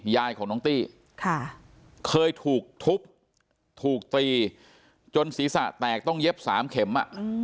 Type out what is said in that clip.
ยายของน้องตี้เคยถูกทุบถูกตีจนศีรษะแตกต้องเย็บ๓เข็ม